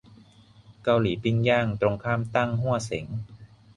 เกาหลีปิ้งย่าง ตรงข้ามตั้งฮั่วเส็ง